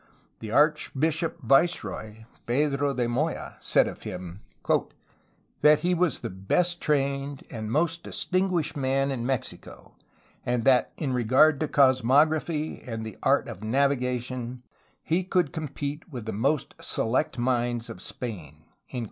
The archbishop viceroy, Pedro de Moya, said of him " that he was the best trained and most distinguished man in Mexico, and that in regard to cosmography and the art of navi gation he could compete with the most select minds of Spain."